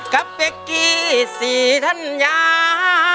กะเป๊ะกี้สี่ทันยา